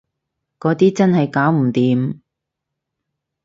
嗰啲真係搞唔掂